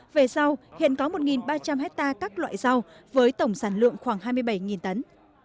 về rau hiện có một ba trăm linh hectare các loại rau với tổng sản lượng khoảng hai mươi bảy tấn